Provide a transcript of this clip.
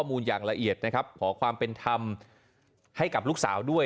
มูลอย่างละเอียดนะครับขอความเป็นธรรมให้กับลูกสาวด้วย